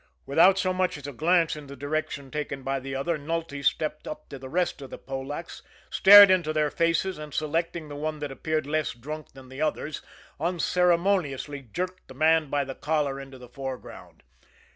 Without so much as a glance in the direction taken by the other, Nulty stepped up to the rest of the Polacks, stared into their faces, and selecting the one that appeared less drunk than the others, unceremoniously jerked the man by the collar into the foreground.